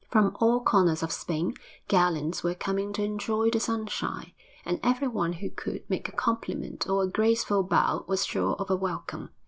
From all corners of Spain gallants were coming to enjoy the sunshine, and everyone who could make a compliment or a graceful bow was sure of a welcome.